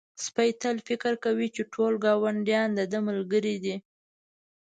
سپی تل فکر کوي چې ټول ګاونډیان د ده ملګري دي.